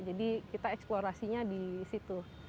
jadi kita eksplorasinya di situ